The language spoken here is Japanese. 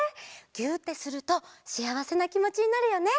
ぎゅってするとしあわせなきもちになるよね。